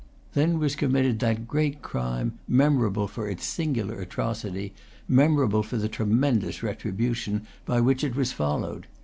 Then was committed that great crime, memorable for its singular atrocity, memorable for the tremendous retribution by which it was followed.